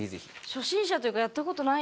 初心者というかやった事ない。